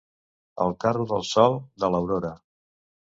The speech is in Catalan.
El carro del Sol, de l'Aurora.